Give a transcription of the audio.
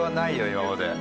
今まで。